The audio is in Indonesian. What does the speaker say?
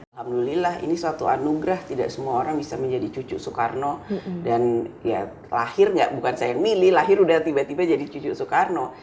alhamdulillah ini suatu anugerah tidak semua orang bisa menjadi cucu soekarno dan ya lahir nggak bukan saya yang milih lahir udah tiba tiba jadi cucu soekarno